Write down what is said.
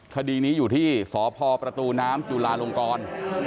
คดีนี้อยู่ที่สพประตูน้ำจุลาลงกร